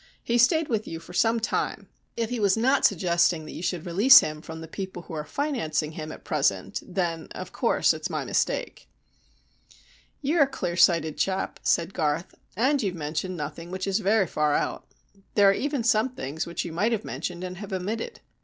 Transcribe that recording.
He stayed with you for some time. If he was not suggesting that you should release him from the people who are financing him at present, then, of course, it's my mistake." "You're a clear sighted chap," said Garth, "and you've mentioned nothing which is very far out. There are even some things which you might have mentioned and have omitted.